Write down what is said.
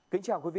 kính chào quý vị